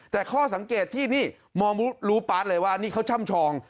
แต่ข้อสังเกตที่นี่มองรู้ปาร์ดเลยว่านี่เขาช่ำชอง